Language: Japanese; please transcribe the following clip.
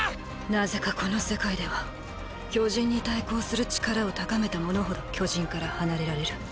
なぜかこの世界では巨人に対抗する力を高めた者ほど巨人から離れられる。